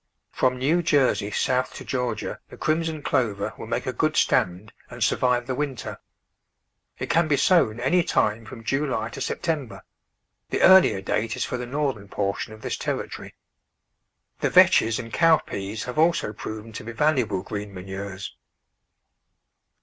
From New Jersey south to Georgia the crimson clover will make a good stand and survive the winter. It can be sown any time from July to September; the earlier date is for the northern portion of this territory. The vetches and cow peas have also proven to be valuable green manures.